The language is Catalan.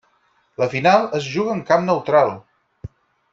La final es juga en camp neutral.